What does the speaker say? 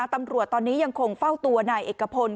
ตำรวจตอนนี้ยังคงเฝ้าตัวในอักกระพร